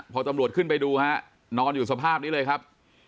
พอตำรวจขึ้นไปดูฮะนอนอยู่สภาพนี้เลยครับ